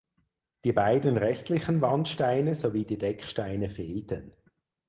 Die beiden restlichen Wandsteine sowie die Decksteine fehlten.